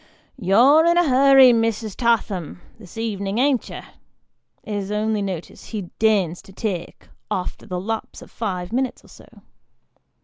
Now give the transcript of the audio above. " You're in a hurry, Mrs. Tatham, this ev'nin', an't you ?" is the only notice he deigns to take, after the lapse of five minutes or so.